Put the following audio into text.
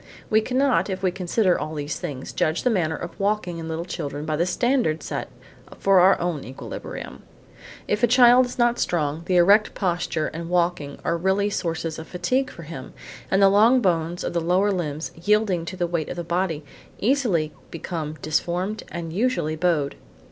We cannot, if we consider all these things, judge the manner of walking in little children by the standard set for our own equilibrium. If a child is not strong, the erect posture and walking are really sources of fatigue for him, and the long bones of the lower limbs, yielding to the weight of the body, easily become deformed and usually bowed.